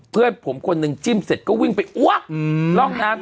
เพื่อนผมคนหนึ่งจิ้มเสร็จก็วิ่งไปอ้วกร่องน้ำ